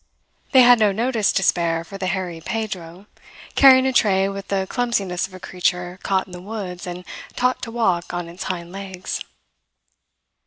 They had no notice to spare for the hairy Pedro, carrying a tray with the clumsiness of a creature caught in the woods and taught to walk on its hind legs.